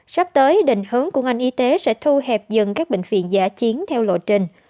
sắp tới định hướng của ngành y tế sẽ thu hẹp dần các bệnh viện giả chiến theo lộ trình